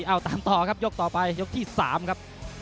เอาตามต่อครับยกต่อไปยกที่๓ครับ